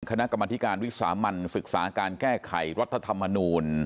คณะกรรมธิการวิสามันศึกษาการแก้ไขรัฐธรรมนูล